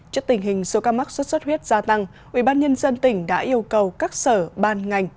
trước tình hình số ca mắc xuất xuất huyết gia tăng ubnd tỉnh đã yêu cầu các sở ban ngành